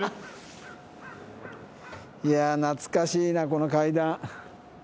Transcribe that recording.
いや懐かしいなこの階段。